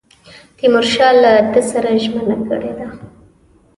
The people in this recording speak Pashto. تیمورشاه له ده سره ژمنه کړې ده.